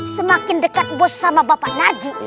semakin dekat bos sama bapak naji